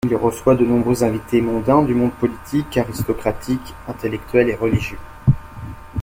Il y reçoit de nombreux invités mondains du monde politique, aristocratique, intellectuel, et religieux...